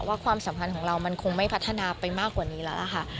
ความสัมพันธ์ของเรามันคงไม่พัฒนาไปมากกว่านี้แล้วค่ะ